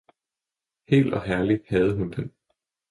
Hel og herlig havde hun den.